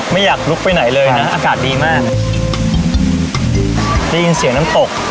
ไม่อยากลุกไปไหนเลยนะอากาศดีมากเลยได้ยินเสียงน้ำตก